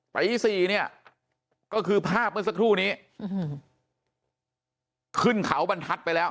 ปีสี่เนี่ยก็คือภาพเมื่อสักครู่นี้ขึ้นเขาบรรทัศน์ไปแล้ว